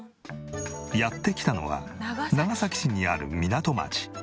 やって来たのは長崎市にある港町。